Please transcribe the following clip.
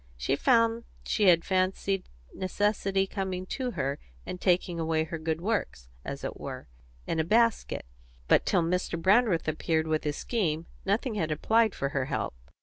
She found she had fancied necessity coming to her and taking away her good works, as it were, in a basket; but till Mr. Brandreth appeared with his scheme, nothing had applied for her help.